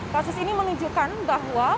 kasus ini menunjukkan bahwa